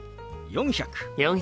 ４００。